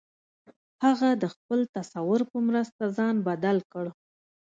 هغه د خپل تصور په مرسته ځان بدل کړ